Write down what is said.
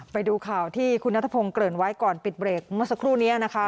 ไปดูข่าวที่คุณนัทพงศ์เกริ่นไว้ก่อนปิดเบรกเมื่อสักครู่นี้นะคะ